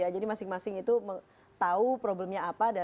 jadi masing masing itu tahu problemnya apa